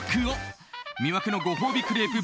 魅惑のご褒美クレープ